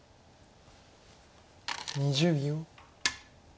２０秒。